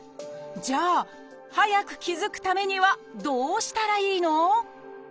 じゃあ早く気付くためにはどうしたらいいの？